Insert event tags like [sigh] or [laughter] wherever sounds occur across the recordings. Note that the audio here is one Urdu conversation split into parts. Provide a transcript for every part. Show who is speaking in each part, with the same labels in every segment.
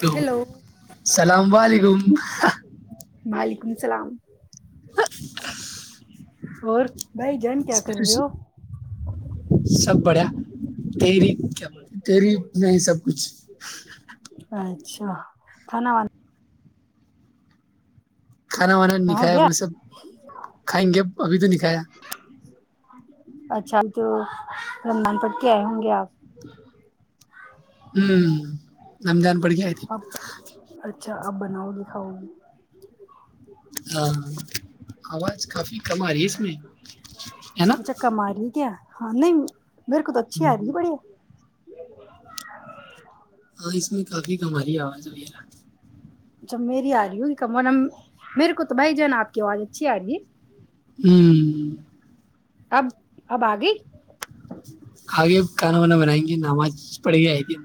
Speaker 1: ہیلو اللام علیکم
Speaker 2: وعلیکم السلام [unintelligible] اور بھائی جن کیا کر رہے ہو
Speaker 1: سب بڑھیا تری کیا بول تری نہیں سب کچھ
Speaker 2: اچھا تھانا و
Speaker 1: کھانا وانا
Speaker 2: ہو
Speaker 1: نکھایا
Speaker 2: گیا
Speaker 1: وہ سب کھائیں گے ابھی تو ن کایا
Speaker 2: اچھا تو رمضان پٹ کے آئے ہوں گے آپ
Speaker 1: ہوں نم جان پڑ کے آئےتی
Speaker 2: اب اچھا آپ بناؤ لکھاؤ
Speaker 1: ہاں آواز کافی کم آ رہی ہے اس میں ہے نا
Speaker 2: اچھا کم آ رہی ہے کیا ہاں نہیں میرے کو تو اچھی آ رہی ت بڑی
Speaker 1: ہاں اس میں کافی کم آ رہی ہے آواز وغیرہ ہوں
Speaker 2: اچھب میری آ رہی میرے کو تو بھائی جان آپ کی آواز اچھی آ رہی ہے
Speaker 1: ہوں
Speaker 2: اب اب آ گئی
Speaker 1: آگے کھانا وانا بنائیں گے ج نماز پڑ گئی ہے ت [unintelligible]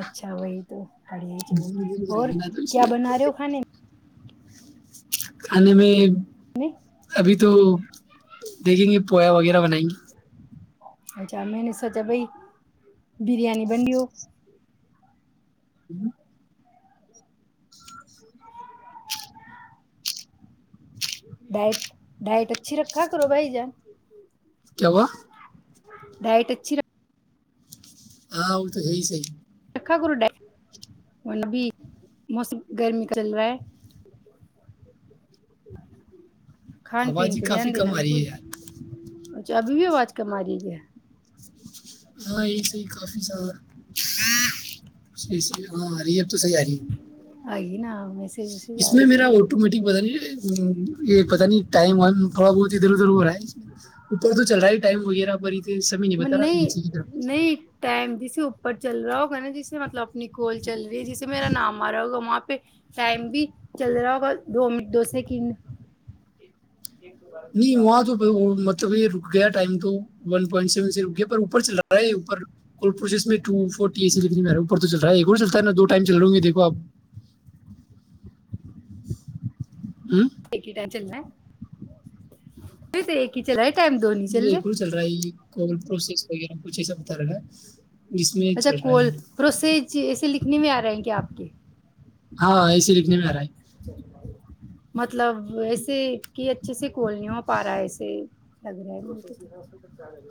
Speaker 2: اچھا وہی تو [unintelligible] پڑ چلو اور
Speaker 1: نا تو اس
Speaker 2: کیا
Speaker 1: میں
Speaker 2: بنا رہے ہو کھانے [unintelligible]
Speaker 1: کھانے میں
Speaker 2: میں
Speaker 1: ابھی تو دیکھیں گے پویا وغیرہ بنائیں گے
Speaker 2: اچھا میں نے سوچا بائی بریانی بن ہو
Speaker 1: ج [unintelligible]
Speaker 2: ڈائٹ ڈائٹ اچھی رکھا کرو بھائی جان
Speaker 1: کیا ہوا
Speaker 2: ڈائٹ اچھی ر [unintelligible]
Speaker 1: ہاں وہ تو ہے ص ہی [unintelligible]
Speaker 2: رکھا گ ڈا مب موسم گرمی کا چل رہا ہے [unintelligible] کھان پین
Speaker 1: آواز ہی
Speaker 2: پہ دھیان
Speaker 1: کافی کم
Speaker 2: دینا
Speaker 1: آ
Speaker 2: بھی
Speaker 1: رہی ہے یار
Speaker 2: چ ابھی بھی آواز کم رہ ہے
Speaker 1: ہاں یہ ص ہی کافی سارہ حییح ہاں ریب تو صحیح آ رہی
Speaker 2: آئی نا میں [unintelligible]
Speaker 1: اس میں میرا آٹومیٹک بتا نہیں [unintelligible] [unintelligible]
Speaker 2: میں
Speaker 1: بتا رہا
Speaker 2: نہیں
Speaker 1: نیچے کی طرف
Speaker 2: نہیں ٹائم جسے اوپر چل رہا ہوگا نا جسے مطلب اپنی کوال چل رہی ہے جسے میرا نام آ رہا ہوگا وہاں پہ ٹائم بھی چل رہا ہوگا دو منٹ دو سیکنڈ
Speaker 1: نہیں وہاں تو مطلب یہ ر ک گیا ٹائم تو ون پوائنٹ سیون سے رک گیا پر اوپر چل رہا ہے اپر پرو میںو فورٹی لا اوپر تو چل رہا ہے چلتا ہے نا دو ائم چل رہاوں گے دیکھو آ
Speaker 2: ایک ٹائ چا یہ ت ایک ک ہیچن ہے ٹائم دو نہیں
Speaker 1: م
Speaker 2: رہے
Speaker 1: ایک چل رہا ہے کال پروسیس وغیرہ کچھ ای سا بتا رہے گ ہے جس میں
Speaker 2: اچھا
Speaker 1: چل رہا
Speaker 2: کول
Speaker 1: ہے
Speaker 2: فوسج ایسے لکھنے میں آ رہے ہیں کیا آپ کے
Speaker 1: ہاں لکھنے میں آ رہا ہے
Speaker 2: مطلب ایسے کہ اچھے سے کول نہیں ہو پا رہا ایسے لگ رہا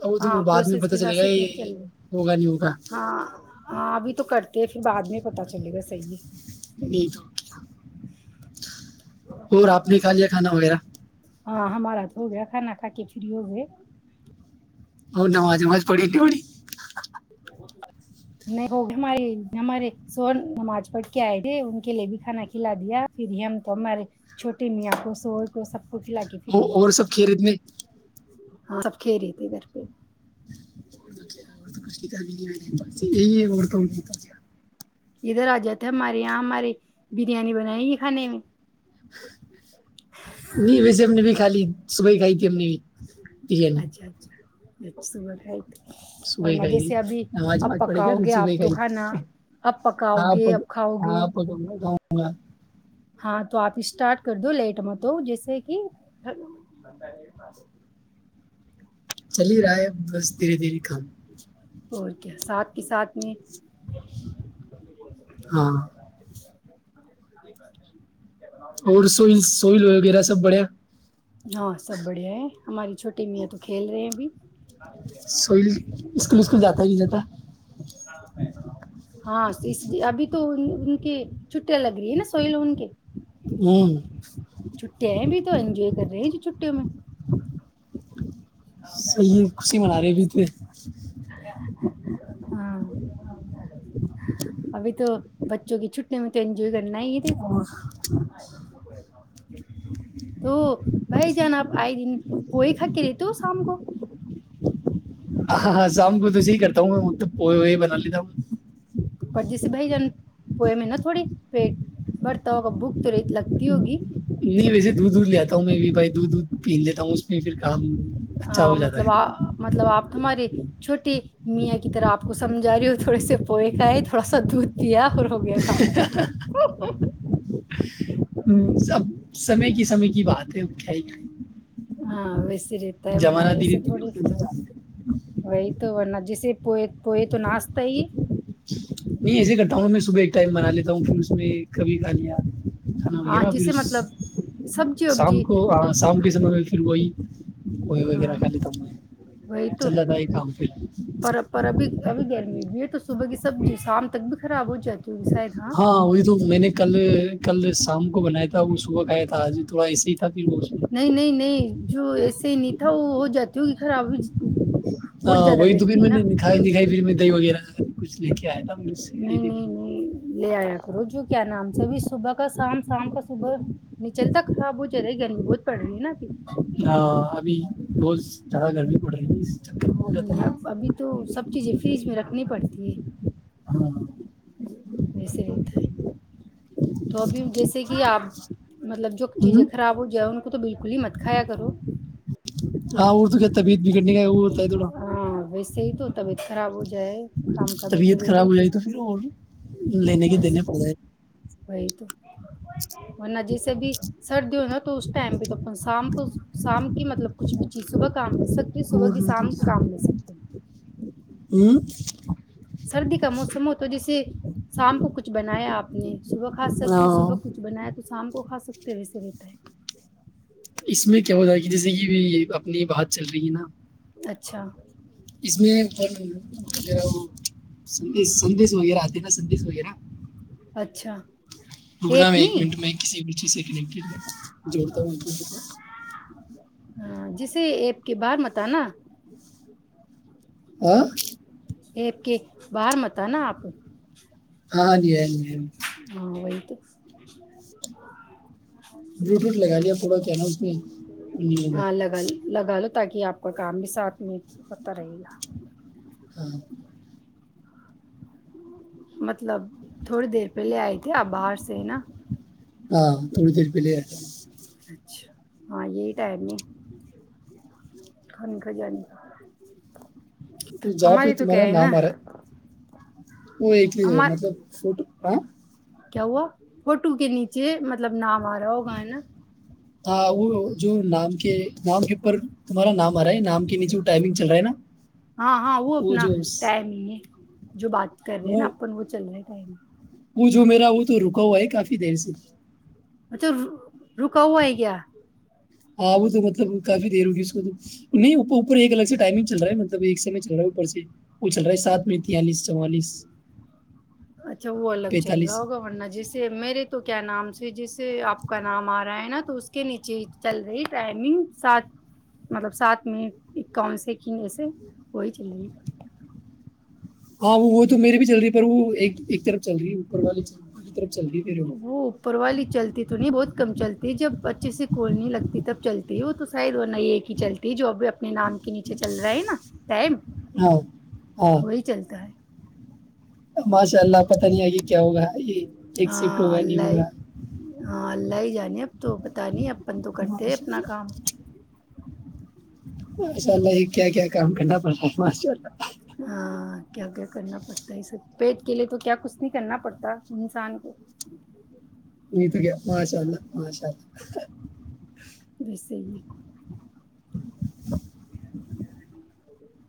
Speaker 1: اب وہ
Speaker 2: ہاں
Speaker 1: تو بعد میں
Speaker 2: پروسیس
Speaker 1: پتہ
Speaker 2: کے
Speaker 1: چلے
Speaker 2: حس
Speaker 1: گا
Speaker 2: سے
Speaker 1: یہ
Speaker 2: چلا
Speaker 1: ہوگا نہیں ہوگا
Speaker 2: ہاں ہاں ابھی تو کرتے ہیں پھر بعد میں پتا چلے گا صحیح
Speaker 1: اچھا اور آپ نے کھا لیا کھانا وغیرہ
Speaker 2: ہاں ہمارا تو ہو گیا کھانا کھا کے فری ہو گئے
Speaker 1: ہ نماز ماز پڑینی پڑی
Speaker 2: نہیں ہوگ ہمارے ہمارے سوور نماز پڑھ کے آئے تھے ان کے لیے بھی کھانا کھلا دیا پھر ہم تو ہمارے چھوٹے میاں کو سور کو سب کو کھلا کے
Speaker 1: وہ
Speaker 2: فری ہوئے۔
Speaker 1: اور سب کھیل اتنے
Speaker 2: ہاں سب کھی رہی تھی ا گھر پہ
Speaker 1: یہت
Speaker 2: ادھر آجاد تھے ہمارے یہاں ہمارے بریانی بنائی گ ہی کھانے میں
Speaker 1: نہیں ویسے ہم نے بھی خالی سبئی کائی تھی ای نے بھی بریانی
Speaker 2: اچھا اچھا اچ تومت
Speaker 1: صبح ہی
Speaker 2: بنا
Speaker 1: کھائی تھی
Speaker 2: جیسے ابھی
Speaker 1: نماز
Speaker 2: اب
Speaker 1: نماز پڑھے گا
Speaker 2: پکاؤ گے
Speaker 1: صبح
Speaker 2: آپ
Speaker 1: ہی
Speaker 2: تو
Speaker 1: کھائی
Speaker 2: کھانا
Speaker 1: تھی
Speaker 2: اب پکاؤ گے اب کھاؤ گے
Speaker 1: ہوا
Speaker 2: ہاں تو آپ اسٹارٹ کر دو لیٹ م تو جیسے کہ
Speaker 1: چل ہی رہا ہے ا بس دھیرے دھیرے کام
Speaker 2: اور کیا ساتھ کے ساتھ میں
Speaker 1: ہاں
Speaker 2: [inaudible]
Speaker 1: اور سوئی سوئی لوئے گ میرا سب بڑھیا
Speaker 2: ہاں سب بڑھیا ہے ہماری چھوٹی میاں تو کھیل رہے ہیں بھی
Speaker 1: سل اسکول اسکول جاتا تی جتا
Speaker 2: ہاں ابھی تو کہ چھٹیاں لگ رہی ہے نا سوئی لوون کے
Speaker 1: ہوں
Speaker 2: چھٹییا ہیں بھی تو انجوائے کر رہے چھٹیوں میں
Speaker 1: صحیح خوشی منا رہے بھی تھے ایک
Speaker 2: ہاں ابھی تو بچوں کی چھٹی میں تو انجوائے کر
Speaker 1: اور
Speaker 2: تو بھائی جان آپ آئے دن پوئی کھا کے رہتے ہو شام کو
Speaker 1: ہاں ہاں شام کو تو صی کرتا ہوں میں بنا لیتا ہوں
Speaker 2: اور جیسے بھائی جان پوئے میں نا تھوڑی پیٹ برتاؤ کا بھوک تو ریت لگتی ہوگی
Speaker 1: نہیں ویسے دودھ دودھ ل آتا ہوں میں بھی بھائی دودھ دود پن لیتا ہوں اس میں پھر کام اچھا
Speaker 2: ہاں
Speaker 1: ہو جاتا
Speaker 2: مطلب
Speaker 1: ہے
Speaker 2: آ مطلب آپ تمہاری چھوٹی میاں کی طرح آپ کو سمجا رہی ہو تھوڑے سے پوئے ک آئے تھوڑا سا دودھ پیا ر ہو گیا کا
Speaker 1: ہوں سب سمے کی سمے کی بات ہے خ
Speaker 2: ہاں رہتا ہے ورنہ
Speaker 1: جمانہ دھیرے
Speaker 2: ایسے تھوڑی
Speaker 1: دھیرے
Speaker 2: وہی تو ورنہ جیسے پو پوئے تو ناشتا ہی
Speaker 1: نہیں ایسے ہی کرتا ہوں میں صبح ایک ٹائم بنا لیتا ہوں پھر اس میں کبھی کھا لیا نا ہے
Speaker 2: ہاں
Speaker 1: نا پھر
Speaker 2: جیسے مطلب سبزی
Speaker 1: شام
Speaker 2: وبزی
Speaker 1: کو ہ شام کے سمے میں پھر وہی ہ کوئی وغیرہ
Speaker 2: ہاں
Speaker 1: کہ لیتا ہوں
Speaker 2: وہی
Speaker 1: میں
Speaker 2: تو
Speaker 1: چل رہا تھا ایک کام پھر
Speaker 2: پر پر ابھی ابھی گرمی بھی ہے تو صبح کی سبزی شام تک بھی خراب ہو جاتی ہوگی شاید
Speaker 1: ہاں وہی تو میں نے کل کل شام کو بنایا تھا وہ صبح کھیا تھا آج تھوڑا ایسے ہی تھا پھر وہ میں
Speaker 2: نہیں نہیں نہیں جو ایسے ہی نہیں تھا وہ ہو جاتی ہوگی خرابی
Speaker 1: ہ وہی تو پھر میں نے دکھائی دکھائی میں دی وغیرہ لے کے آیا تھا پھر اس سے کھائی
Speaker 2: نہیں
Speaker 1: تھی میں
Speaker 2: نہیں نہیں لے آیا روجو کیا نام سے ابھی صبح کا شام شام کا صبح نچل ت خراب ہو ج رہی گ ن بہت پڑ گی نا کہ
Speaker 1: ہاں ابھی روز ج گھر بھی
Speaker 2: ہ ا ابھی تو سب چیزیں فریج میں رکھنی پڑتی ہے
Speaker 1: ہاں
Speaker 2: بسی رہت ہے تو ابھی جیسے کہ آپ مطلب جو چیزیں
Speaker 1: ہوں
Speaker 2: خراب ہو جائے ان تو بالکل ہی مت کایا کرو
Speaker 1: ہاں وہ تو کہتا ہے بیت بھی کرنے کا وہ ہوتا ہے تھوڑا
Speaker 2: ہاں ویسے ہی تو طبیعت خراب ہو جائے کام کا بیٹھے
Speaker 1: طبیعت
Speaker 2: بیٹھے
Speaker 1: خراب ہو جائے تو پھر اور لینے کی
Speaker 2: بس
Speaker 1: دینے پڑ جائے
Speaker 2: وہی تو ورنہ جیسے بھی سردی ہو نا تو اس ٹائم پہ تو اپ شام کو شام کی مطلب کچھ بھی جی صبح کام لے سکتے صبح
Speaker 1: اور
Speaker 2: کی
Speaker 1: نہیں تو
Speaker 2: شام
Speaker 1: کیا
Speaker 2: کام ل سکتے
Speaker 1: ہوں
Speaker 2: سردی کا موسم ہو تو جیسے شام کو کچھ بنایا آپ نے صبح کھا سکتی ہو صبح کچھ بنایا تو شام کو کھا سکتے ویسے رہتا ہے
Speaker 1: اس میں کیا ہو جائے گی جیسے کہ اپنی بات چل رہی ہے نا
Speaker 2: اچھا
Speaker 1: اس میں فن ج [inaudible] سندیش سندیش وغیرہ آتے سندیش وغیرہ
Speaker 2: اچھا
Speaker 1: رکنا میں ایک منٹ میں کسی چیک جوڑتا ہو
Speaker 2: ہاں جسے ایپ کے بار متانا
Speaker 1: ا
Speaker 2: ایکپ کے باہر مت نا آپ
Speaker 1: ہاں جی ہ جی
Speaker 2: ہاں وہی [inaudible]
Speaker 1: بلوٹوتھ لگا لیا تھوڑا کہ نا اس میں نہیں ہوگا
Speaker 2: کوئی کام بھی ساتھ میں ہوتا رہے گا
Speaker 1: [inaudible]
Speaker 2: مطلب تھوڑی دیر پہلے آئے تھھی آپ باہر سے نا
Speaker 1: ہاں توڑ تر پ لے
Speaker 2: چ ہاں یہی ٹائم نہیں کانی کجانی کا
Speaker 1: جا
Speaker 2: ہماری
Speaker 1: پیت
Speaker 2: تو کیا
Speaker 1: مارے
Speaker 2: ہے
Speaker 1: ن
Speaker 2: نا
Speaker 1: مارے وہ ایکلی ہے
Speaker 2: ہمار
Speaker 1: مطلب فوٹو ا [inaudible]
Speaker 2: کیا ہوا فوٹو کے نیچے مطلب نپ
Speaker 1: ہ وہ جو نام کے نام کےپر تمارا نام رہا نام کے نیچے ٹائمنگ چل رہا ہے نا
Speaker 2: ہاں ہاں
Speaker 1: وہ
Speaker 2: اپنا
Speaker 1: جو
Speaker 2: ٹائم ہی ہے جو بات کر رہے ہیں نا اپن وہ چل رہے ہیں ٹم [inaudible]
Speaker 1: وہ جو میرا وہ تو رکا ہوا ہے کافی دیر سے
Speaker 2: اچھا رکا ہووا ہے کیا
Speaker 1: ہاں وہ تو مطلب کافی دیر ہوگی اس کو تو نہیں اوپر ایک الگ سے ٹائمنگ چل رہا ہے مطلب ایک سمے چل رہا ہے اوپر سے وہ چل رہا ہے سات میں تیاالیس چوالیس
Speaker 2: اچھا وہ الگ چل رہا
Speaker 1: پینتالیس
Speaker 2: ہوگا ورنہ جسے میرے تو کیا نام سے جس آپ کا نام آ رہا ہے نا تو اس کے نیچے چل رہی ٹائمنگ سات مطلب سات میں اکاون سے کینے سے وہی چل رہ ہے
Speaker 1: ہاں وہ وہ تو میری بھی چل رہی ہے پر وہ ایک ایک طرف چل رہی ہے اوپر والے رہ
Speaker 2: وہ اوپر والی چلتی تو نہیں بہت کم چلتی جب پچی سے کوول نہیں لگتی تب چلتی ہے وہ تو ساید ورنہ ایک ہی چلتی ہے جو ابھی اپنے نام کے نیچے چل رہا ہے نا ٹائم
Speaker 1: ہاں
Speaker 2: وہی چلتا ہے
Speaker 1: [inaudible] چلا آپ پتہ نہیں آگے کیا ہوگا یہ ایکسفٹ
Speaker 2: ہاں
Speaker 1: ہوگا نہیں
Speaker 2: اللہ
Speaker 1: ہوگا
Speaker 2: ہاں اللہ ہی جانے اب تو پتا نہیں اب اپن تو کرتے
Speaker 1: ماشاء
Speaker 2: اپنا
Speaker 1: اللہ
Speaker 2: کام
Speaker 1: ماشاء اللہ یہ کیا کیا کام کرنا پڑتا ماشاء اللہ
Speaker 2: ہاں کیا کیا کرنا پڑتا ہے ای سب پٹ کے لیے تو کیا کچھ نہیں کرنا پڑتا انسان کو
Speaker 1: نہیں تو کیا ماشاء اللہ ماشاء اللہ
Speaker 2: بیسے ہی ہے [inaudible] [inaudible]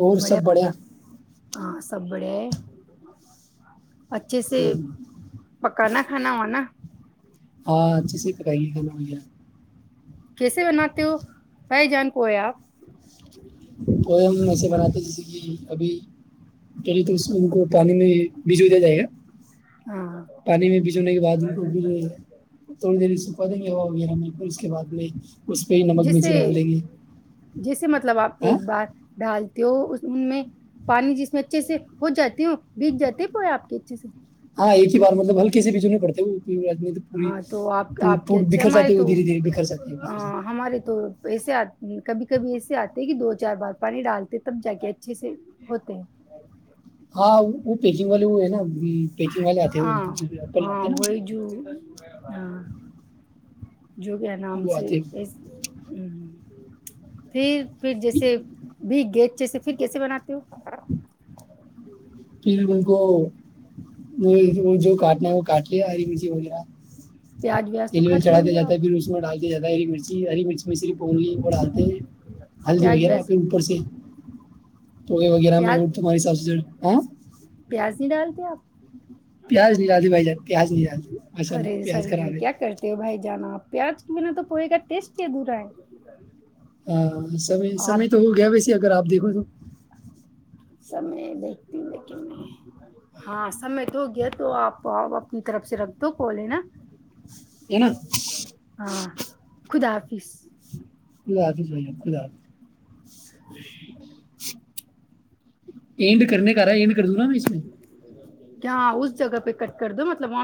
Speaker 1: اور سب بڑھیا
Speaker 2: ہاں سبڑے اچھے سے پکانا تھاانا ہو نا
Speaker 1: ہاں اچھے سے پکائیے کانا ب
Speaker 2: کیسے بناتے ہو قائ جان پیا آپ
Speaker 1: کوئ ہم ایسے بناتے جیسے کہ ابھی چ طرح ان کو پانی میں بجے بھیدے جائے گ
Speaker 2: ہاں
Speaker 1: پانی میں بیجونے کے بعد ان کو بھی جو تھوڑی دری یں گے ہو وغیرہ نہیں پھر اس کے بعد بھی اس پہ ہی نمک مرچی ڈال
Speaker 2: جیسے
Speaker 1: دے گی
Speaker 2: جیسے مطلب آپ ایک بار ڈالتے ہو ان میں پانی جس میں اچھے سے ہو جاتی ہو بیگ جاتے پے آپ کے اچھے سے
Speaker 1: ہاں ایک ہی بار مطلب ہلکے سے بھیچونے پڑتے وہ نہیں تو پوری
Speaker 2: ہاں تو آپ
Speaker 1: ٹوٹ
Speaker 2: آپ کے
Speaker 1: ٹوٹ
Speaker 2: اچھے
Speaker 1: بکھر
Speaker 2: ہمارے
Speaker 1: جاتی ہے وہ
Speaker 2: تو
Speaker 1: دھیرے دھیرے بکھر جاتی ہے بکھر جاتی ہے
Speaker 2: ہمارے تو ایسے آ کبھی کبھی ایسے آتے ہیں کہ دو چار بار پانی ڈالتے تب جا کے اچھے سے ہوتے ہیں
Speaker 1: ہاں وہ پییکنگ والے وہ ہے نا پیکنگ والے آتے ہیں
Speaker 2: ہاں
Speaker 1: وہپر لاتتے
Speaker 2: ہاں
Speaker 1: ہیں نا
Speaker 2: وہی جو ہاں جو کیا نام
Speaker 1: وہ
Speaker 2: سے
Speaker 1: آتے
Speaker 2: اس پھر پھر جیسے بھی گی اچھ سے پھر کیسے بناتے ہو
Speaker 1: پھر ان کو وہ جو کاٹنا ہے وہ کاٹ لیا اری مچے وغیرہ
Speaker 2: پیاز ویاز تو
Speaker 1: تل ویل
Speaker 2: کھاتے
Speaker 1: چڑھا
Speaker 2: ہوں
Speaker 1: دیا
Speaker 2: گے
Speaker 1: جاتا
Speaker 2: آپ
Speaker 1: ہے پھر اس میں ڈال زیاد ہری مرچ ہری مرچ مس اور بتے ہلدی
Speaker 2: پیاز
Speaker 1: وغیرہ
Speaker 2: ویاز
Speaker 1: پھر اوپر سے تو وغیرہ میں وہمارے حساب سے ہاں
Speaker 2: پیازی دال دیا
Speaker 1: پیاز نہیں ڈالتی بھائی جان پیاز نہیں ڈالتی ماشاء اللہ
Speaker 2: ارے سر
Speaker 1: پیاز
Speaker 2: جی
Speaker 1: خراب ہے
Speaker 2: کیا کرتے ہو بھائی جان آپ پیاز کے بنا تو پوئے گا ٹیسٹ ہی دورا ہے
Speaker 1: ہاں سمئے
Speaker 2: آپ
Speaker 1: سمے تو ہو گیا ویسے اگر آپ دیکھو تو
Speaker 2: س میں دیکھتی ہوں لیکن نہیں ہاں سمے تو گیا تو آپ آ اپنی طرف سے رکھ دو کولے نا
Speaker 1: ہے نا
Speaker 2: ہاں خدافظ
Speaker 1: خدلا حافظ بھ خدلا حافظ
Speaker 2: ج
Speaker 1: اینڈ کرنے کا رہا ہے اینڈ کر دوں نا میں اس میں
Speaker 2: کیا اس جگہ پہ کٹ کر دو مطلب